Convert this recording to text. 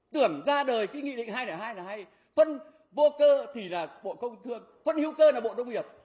tưởng ra đời ký nghị lệnh hai trăm linh hai là hay phân vô cơ thì là bộ không thương phân hưu cơ là bộ đông hiệp